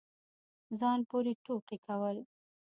ځان پورې ټوقې كول